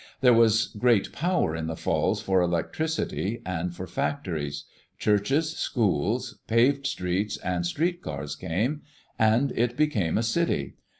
There was great power in the falls for electricity, and for factories. Churches, schools, paved streets, and street cars came, and it became a city.